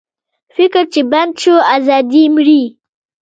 فکر چې بند شو، ازادي مري.